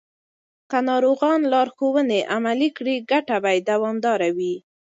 که ناروغان لارښوونې عملي کړي، ګټه به یې دوامداره وي.